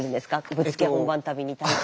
ぶっつけ本番旅に対して。